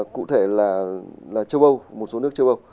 cụ thể là châu âu một số nước châu âu